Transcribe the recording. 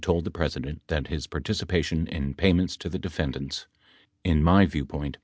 57 told the President that his participation in payments to the defendants" [i]n my viewpoint